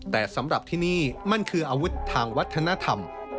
แต่สำหรับที่นี่มันคืออาวุธทางวัฒนธรรม